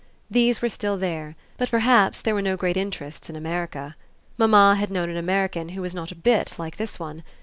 These were still there, but perhaps there were no great interests in America. Mamma had known an American who was not a bit like this one.